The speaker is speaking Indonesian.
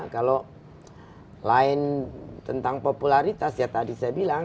kalau lain tentang popularitas ya tadi saya bilang